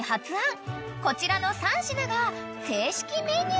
こちらの３品が正式メニューに］